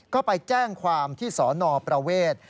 ก็ไปแจ้งความที่สนประเวท